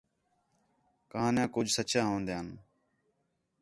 کہاݨیاں کُجھ سچّیاں ہون٘دیان